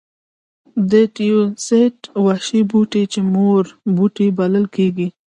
د تیوسینټ وحشي بوټی چې مور بوټی بلل کېږي.